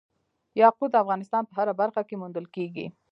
یاقوت د افغانستان په هره برخه کې موندل کېږي.